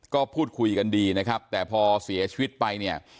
ก็พูดคุยกันดีนะครับแต่พอเสียชีวิตไปเนี่ย